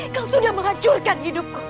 kau sudah menghancurkan hidupku